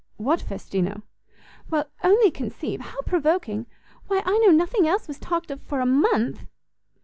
"What festino?" "Well, only conceive, how provoking! why, I know nothing else was talked of for a month!"